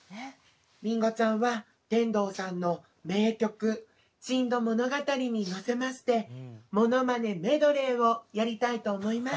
りんごちゃんは天童さんの名曲「珍島物語」に乗せましてモノマネメドレーをやりたいと思います。